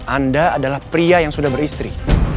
anda adalah pria yang sudah beristri